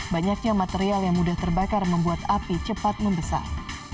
banyaknya material yang mudah terbakar membuat api cepat membesar